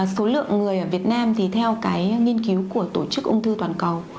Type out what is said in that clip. số lượng người ở việt nam thì theo cái nghiên cứu của tổ chức ung thư toàn cầu